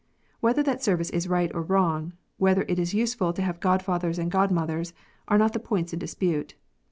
Whether that service is right or wrong, whether it is useful to have godfathers and godmothers, are not the points in dispute.